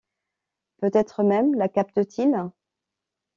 Peut-être même la capte-t-il.